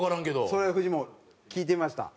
それフジモン聞いてみました。